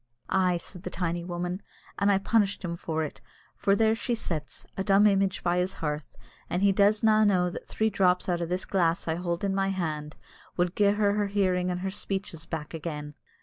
"Ay," said the tiny woman, "an' I punished him for it, for there she sits, a dumb image by his hearth; but he does na' know that three drops out o' this glass I hold in my hand wad gie her her hearing and her speeches back again."